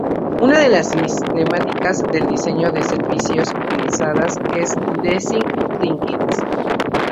Una de las sistemáticas de diseño de servicios utilizadas es "design thinking".